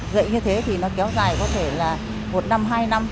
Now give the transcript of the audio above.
dạy như thế thì nó kéo dài có thể là một năm hai năm